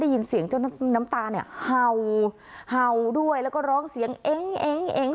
ยินเสียงเจ้าน้ำตาเนี่ยเห่าเห่าด้วยแล้วก็ร้องเสียงเอ็ง